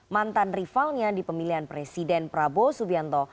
mantan rivalnya di pemilihan presiden prabowo subianto